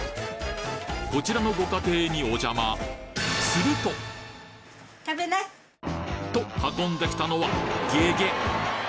こちらのご家庭にお邪魔食べな！と運んできたのはゲゲッ！